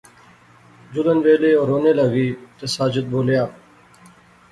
جلن ویلے او رونے لاغی تے ساجد بولیا